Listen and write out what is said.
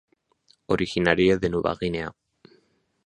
Originaria de Nueva Guinea.